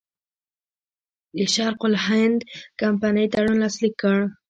د شرق الهند کمپنۍ تړون لاسلیک کړ.